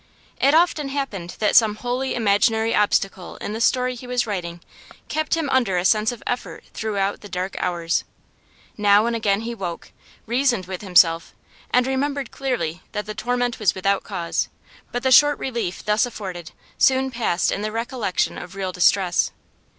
It often happened that some wholly imaginary obstacle in the story he was writing kept him under a sense of effort throughout the dark hours; now and again he woke, reasoned with himself, and remembered clearly that the torment was without cause, but the short relief thus afforded soon passed in the recollection of real distress.